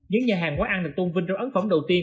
những nhà hàng quán ăn được tôn vinh trong ấn phẩm đầu tiên